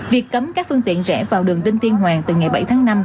việc cấm các phương tiện rẽ vào đường đinh tiên hoàng từ ngày bảy tháng năm